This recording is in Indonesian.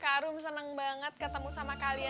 karun seneng banget ketemu sama kalian